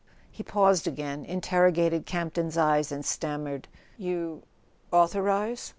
He paused, again interrogated Campton's eyes, and stammered: "You authorize